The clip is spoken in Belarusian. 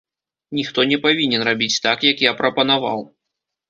Ніхто не павінен рабіць так, як я прапанаваў.